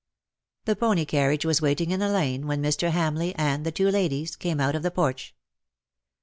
The pony carriage was waiting in the lane when Mr. Hamleigh and the two ladies came out of the porch.